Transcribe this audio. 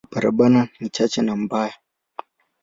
Barabara ni chache na mbaya.